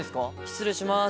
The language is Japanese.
失礼します。